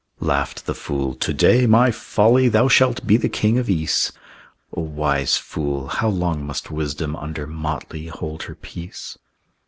Laughed the fool, "To day, my Folly, Thou shalt be the king of Ys!" O wise fool! How long must wisdom Under motley hold her peace?